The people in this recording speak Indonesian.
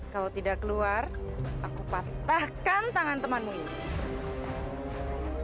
kalau tidak keluar aku patahkan tangan temanmu ini